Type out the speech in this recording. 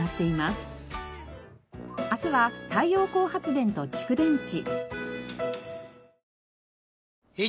明日は太陽光発電と蓄電池。